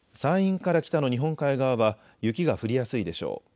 山陰から北の日本海側は雪が降りやすいでしょう。